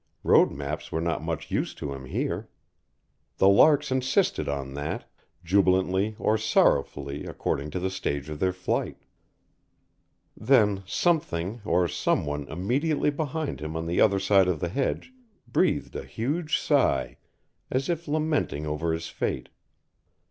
Road maps were not much use to him here. The larks insisted on that, jubilantly or sorrowfully according to the stage of their flight. Then something or someone immediately behind him on the other side of the hedge breathed a huge sigh, as if lamenting over his fate.